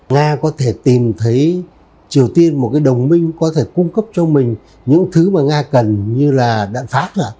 nga có thể tìm thấy triều tiên một cái đồng minh có thể cung cấp cho mình những thứ mà nga cần như là đạn pháp